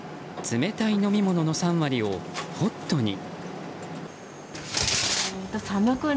冷たい飲み物の３割をホットに。